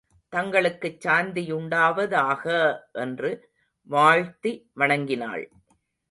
தங்களுக்குச் சாந்தியுண்டாவதாக! என்று வாழ்த்தி வணங்கினாள்.